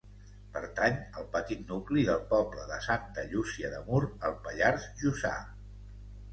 Pertany al petit nucli del poble de Santa Llúcia de Mur, al Pallars Jussà.